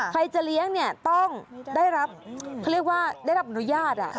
ใครจะเลี้ยงต้องได้รับคือว่าได้รับอนุญาต